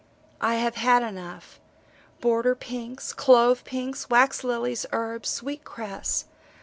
I have had enough border pinks, clove pinks, wax lilies, herbs, sweet cress.